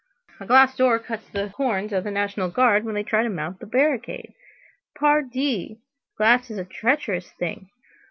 A glass door cuts the corns of the National Guard when they try to mount on the barricade. Pardi! glass is a treacherous thing.